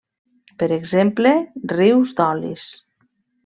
Per exemple, rius d'olis.